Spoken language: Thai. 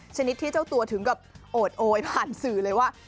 ชนิดที่เจ้าตัวถึงกับโอดโอยผ่านสื่อเลยว่า